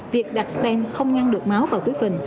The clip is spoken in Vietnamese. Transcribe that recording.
việc đặt stand không ngăn được máu vào túi phình